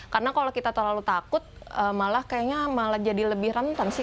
karena kalau kita terlalu takut malah kayaknya malah jadi lebih rentan sih